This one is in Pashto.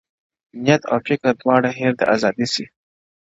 • نیت او فکر دواړه هېر د آزادۍ سي -